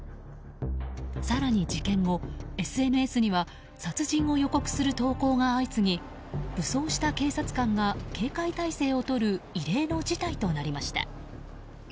更に事件後、ＳＮＳには殺人を予告する投稿が相次ぎ武装した警察官が警戒態勢をとる異例の事態となりました。